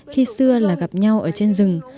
khi xưa là gặp nhau ở trên rừng